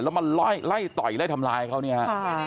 แล้วมาไล่ต่อยไล่ทำร้ายเขาเนี่ยฮะ